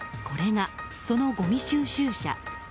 これがそのごみ収集車。